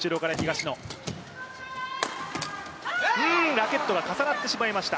ラケットが重なってしまいました。